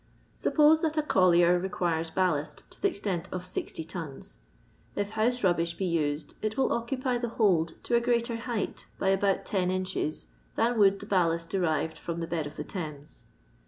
1^ Suppose that a collier requires ballast to the extent of 60 tons; if house rubbish be used it will occupy the hold to a greater height by about 10 inches than would the ballast derived from the bed of the Thames.